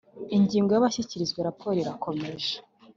Ingingo ya Abashyikirizwa raporo irakomeje